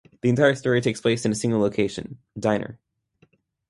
The entire story takes place in a single location, a diner.